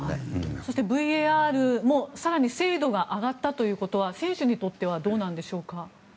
そしてＶＡＲも更に精度が上がったということは選手にとってはどうなんでしょうか。